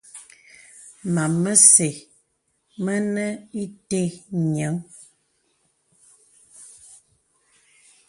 Mam məsə̀ mənə ìtə nyìəŋ.